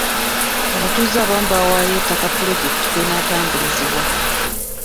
Abatuuze abamu baawaayo ettaka pulojekiti kweneetambulizibwa.